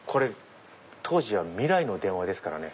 当時は未来の電話ですからね。